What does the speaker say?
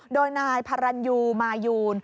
โดยนายพารันยูมายูน